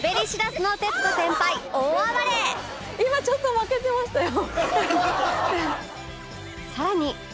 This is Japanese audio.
今ちょっと負けてましたよ。